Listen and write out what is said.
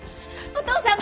お父さん！